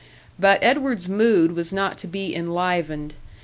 But Edward's mood was not to be enlivened.